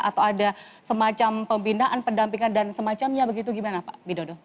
atau ada semacam pembinaan pendampingan dan semacamnya begitu gimana pak widodo